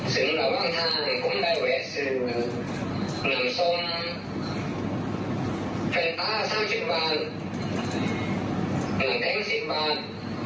ซึ่งระวังทางก็ได้เวสสือหนำส้มเฟ้นต้า๓๐บาทหนังแค้น๑๐บาท